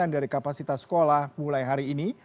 dari kapasitas sekolah mulai hari ini